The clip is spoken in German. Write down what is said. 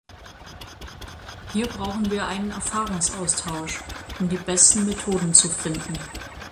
Hier brauchen wir einen Erfahrungsaustausch, um die besten Methoden zu finden.